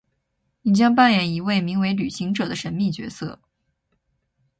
你将扮演一位名为「旅行者」的神秘角色。